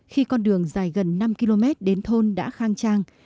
khi con đường dài gần năm km đến thôn đã khang trang